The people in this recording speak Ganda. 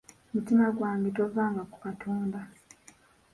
Mutima gwange tovanga ku Katonda.